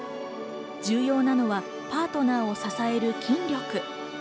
重要なのはパートナーを支える筋力。